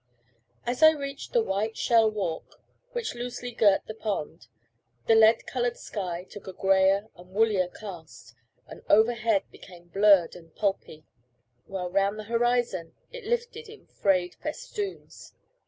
As I reached the white shell walk, which loosely girt the pond, the lead coloured sky took a greyer and woollier cast, and overhead became blurred and pulpy; while round the horizon it lifted in frayed festoons.